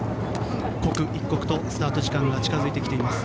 刻一刻とスタート時間が近づいています。